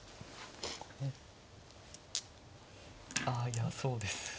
ああいやそうです。